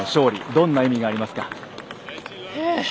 どんな意味がありますか？